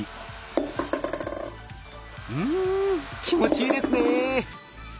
うん気持ちいいですね。